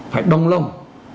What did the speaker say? phải đông lông